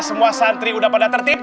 semua santri udah pada tertib